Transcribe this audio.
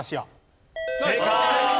正解！